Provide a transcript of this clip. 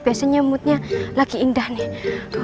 biasanya moodnya lagi indah nih